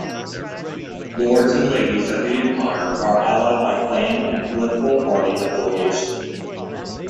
Lords and Ladies of the Empire are allied by Clan and political party affiliation.